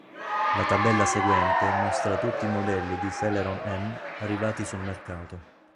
La tabella seguente mostra tutti i modelli di Celeron M arrivati sul mercato.